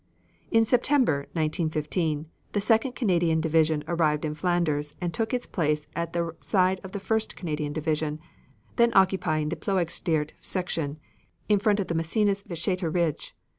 In September, 1915, the Second Canadian Division arrived in Flanders and took its place at the side of the First Canadian Division, then occupying the Ploegsteert section in front of the Messines Wytschaete Ridge.